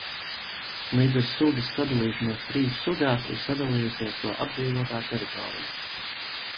Līdz ar sugas sadalīšanos trīs sugās, ir sadalījusies to apdzīvotā teritorija.